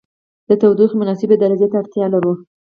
د تودوخې مناسبې درجې ته اړتیا لرو.